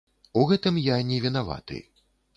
У гэтым я не вінаваты.